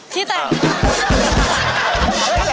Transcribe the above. ที่แต่งเพลง